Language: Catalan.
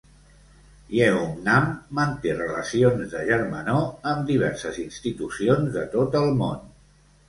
Yeungnam manté relacions de germanor amb diverses institucions de tot el món.